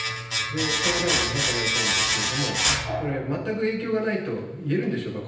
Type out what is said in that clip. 総務大臣に伺いたいんですけれども、全く影響がないといえるんでしょうか。